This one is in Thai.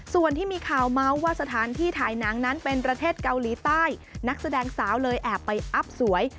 ส่วนที่มีข่าวเมาส์ว่าสถานที่ถ่ายหนังนั้นเป็นประเทศเกาหลีใต้นักแสดงสาวเลยแอบไปอัพสวย